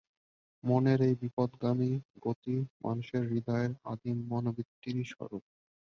মনের এই বিপথগামী গতি মানুষের হৃদয়ের আদিম মনোবৃত্তিরই স্বরূপ।